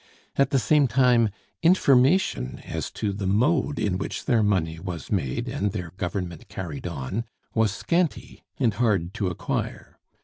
At the same time, information as to the mode in which their money was made and their government carried on was scanty and hard to acquire.